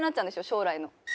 将来の。